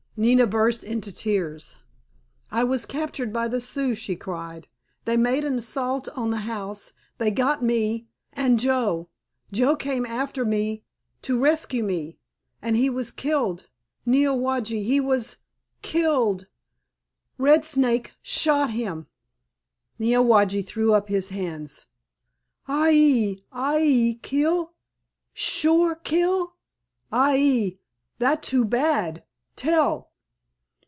Nina burst into tears. "I was captured by the Sioux," she cried. "They made an assault on the house—they got me—and Joe—Joe came after me to rescue me—and he was killed, Neowage, he was killed! Red Snake shot him." Neowage threw up his hands. "Ai ee, ai ee! Keel? Sho keel? Ai ee, that too bad. Tell."